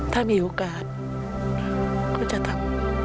ถ้ามีโอกาสก็จะทำ